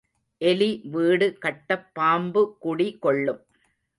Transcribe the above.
எலி வீடு கட்டப் பாம்பு குடி கொள்ளும்.